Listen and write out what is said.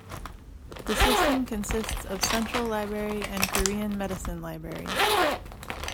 The system consists of Central Library and Korean Medicine Library.